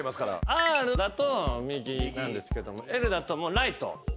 「ｒ」だと右なんですけども「ｌ」だとライト。